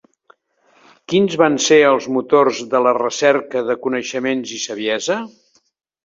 Quins van ser els motors de la recerca de coneixements i saviesa?